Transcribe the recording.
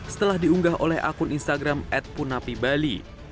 setelah diunggah oleh akun instagram adpunapi bali